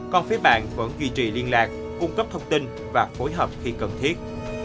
còn phía bạn vẫn duy trì liên lạc cung cấp thông tin và phối hợp khi cần thiết